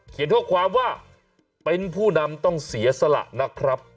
ข้อความว่าเป็นผู้นำต้องเสียสละนะครับ